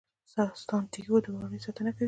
سانتیاګو د وریو ساتنه کوي.